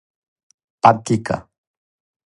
пантљика